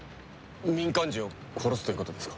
民間人を殺すということですか？